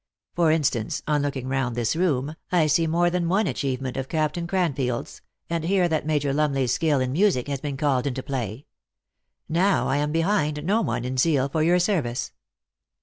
For instance, on looking round this room, I see more than one achieve ment of Captain Craniield s, and hear that Major Lurnley s skill in music has been called into play. Now I am behind no one in zeal for your service."